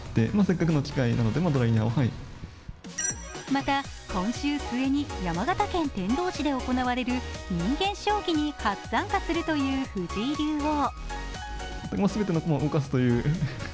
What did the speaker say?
また、今週末に山形県天童市で行われる人間将棋に初参加するという藤井竜王。